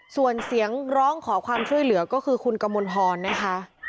ส่วนเสียงร้องขอความช่วยเหลือก็คือคุณกมลพรนะคะ